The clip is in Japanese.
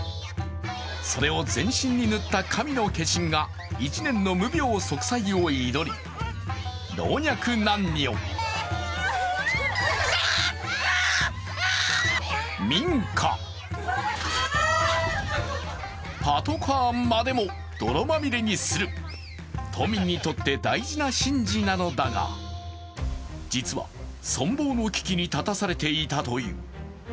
それを全身に塗った神の化身が１年の無病息災を祈り、老若男女民家パトカーまでも泥まみれにする島民にとって大事な行事なのだが実は存亡の危機に立たされていたという。